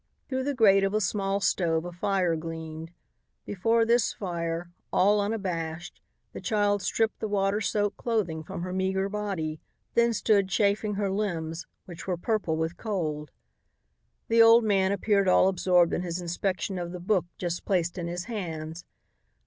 Through the grate of a small stove a fire gleamed. Before this fire, all unabashed, the child stripped the water soaked clothing from her meager body, then stood chafing her limbs, which were purple with cold. The old man appeared all absorbed in his inspection of the book just placed in his hands.